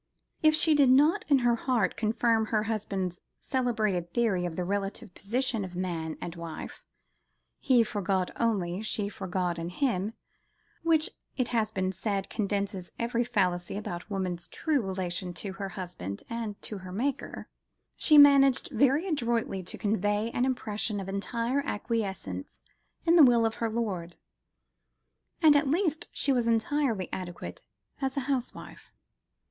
If she did not in her heart confirm her husband's celebrated theory of the relative position of man and wife, "He for God only, she for God in him," (which, it has been said, "condenses every fallacy about woman's true relation to her husband and to her Maker"), she managed very adroitly to convey an impression of entire acquiescence in the will of her lord. And at least she was entirely adequate as a housewife.